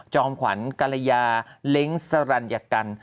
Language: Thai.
ขวัญกรยาเล้งสรรยกัน